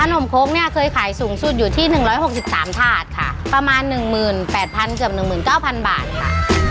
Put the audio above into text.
นมโค้กเนี่ยเคยขายสูงสุดอยู่ที่๑๖๓ถาดค่ะประมาณ๑๘๐๐เกือบ๑๙๐๐บาทค่ะ